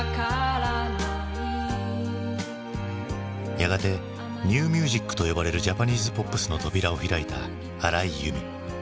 やがてニューミュージックと呼ばれるジャパニーズポップスの扉を開いた荒井由実。